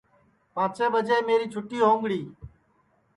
پانٚچیں ٻجے میری چھُتی ہوؤنگڑی